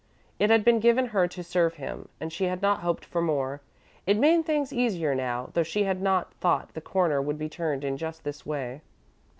It had been given her to serve him, and she had not hoped for more. It made things easier now, though she had not thought the corner would be turned in just this way.